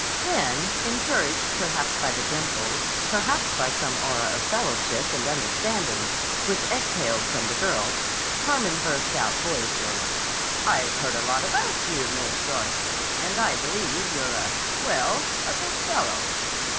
Then, encouraged perhaps by the dimples, perhaps by some aura of fellowship and understanding which exhaled from the girl, Hannon burst out boyishly: "I've heard a lot about you, Miss Darcy, and I believe you're a—well, a good fellow."